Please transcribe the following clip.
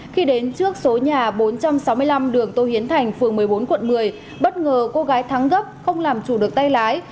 khi đến trước số nhà bốn trăm sáu mươi năm đường tô hiến thành phường một mươi bốn quận một mươi bất ngờ cô gái thắng gấp không làm chủ được tay lái